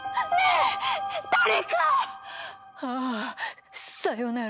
あぁさよなら。